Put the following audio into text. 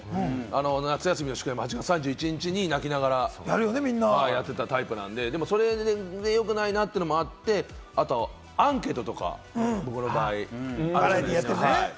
夏休みの宿題も８月３１日に泣きながらやってたタイプなんで、それでよくないなってあって、アンケートとか、僕の場合あるじゃないですか？